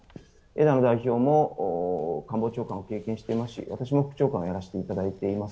枝野代表も官房長官を経験していまして、私も副長官をやらせていただいております。